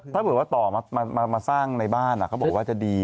ถ้าเกิดว่าต่อมาสร้างในบ้านเขาบอกว่าจะดี